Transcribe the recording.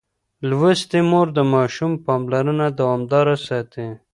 لوستې مور د ماشوم پاملرنه دوامداره ساتي.